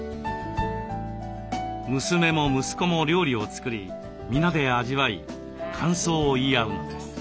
娘も息子も料理を作り皆で味わい感想を言い合うのです。